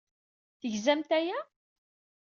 Tegzamt aya?